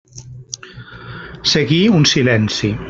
Seguí un silenci.